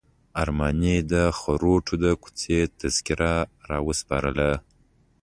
ارماني د خروټو د کوڅې تذکره راوسپارله.